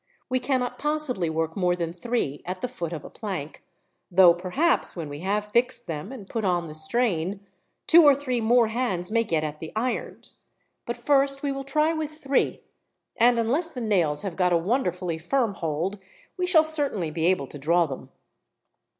We cannot possibly work more than three at the foot of a plank, though perhaps, when we have fixed them and put on the strain, two or three more hands may get at the irons; but first we will try with three, and, unless the nails have got a wonderfully firm hold, we shall certainly be able to draw them."